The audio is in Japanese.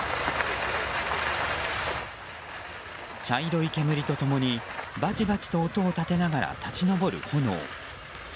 茶色い煙と共にバチバチと音を立てながら立ち上る炎。